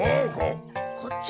こっち？